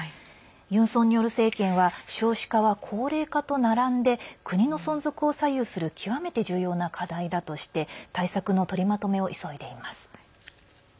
ユン・ソンニョル政権は少子化は高齢化と並んで国の存続を左右する極めて重要な課題だとして対策の取りまとめを急いでいます。